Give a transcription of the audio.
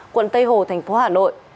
quận tây hồ thành phố hà nội